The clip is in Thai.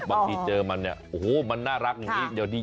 บางทีเจอมันโอ้โฮมันน่ารักอย่างนี้